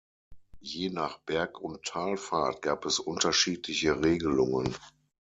Je nach Berg- und Talfahrt gab es unterschiedliche Regelungen.